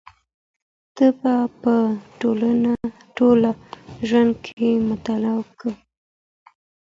ته به په ټول ژوند کي مطالعه کوې.